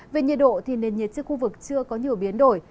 về nhiệt độ thì nền nhiệt trên khu vực chưa có nhiều biến đổi